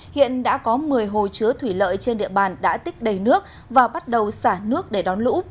hiện đã có một mươi hồ chứa thủy lợi trên địa bàn đã tích đầy nước và bắt đầu xả nước để đón lũ